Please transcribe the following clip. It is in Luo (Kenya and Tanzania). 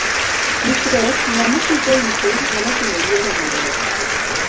Nikech ng'ama chiko ite nyalo timo yiero maber.